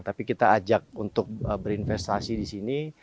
tapi kita ajak untuk berinvestasi di sini